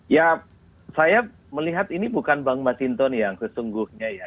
ya saya melihat ini bukan bang mas hinton yang kesungguhnya ya